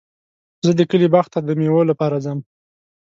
زه د کلي باغ ته د مېوو لپاره ځم.